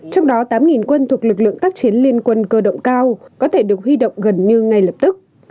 trong đó tám quân thuộc lực lượng tác chiến liên quân cơ động cao có thể được huy động gần như ngay lập tức